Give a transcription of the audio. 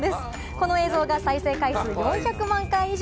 この映像が再生回数４００万回以上。